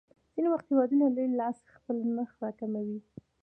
ځینې وخت هېوادونه لوی لاس خپل نرخ راکموي.